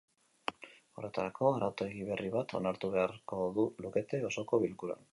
Horretarako, arautegi berri bat onartu beharko lukete osoko bilkuran.